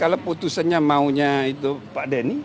kalau putusannya maunya itu pak denny